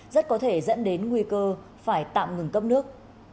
rất có thể dẫn đến nguy cơ phải tạm ngừng cấp nước